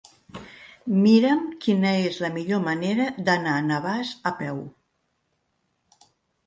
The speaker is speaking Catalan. Mira'm quina és la millor manera d'anar a Navàs a peu.